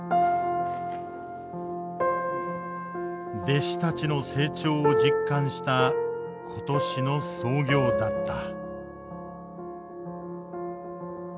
弟子たちの成長を実感した今年の操業だった。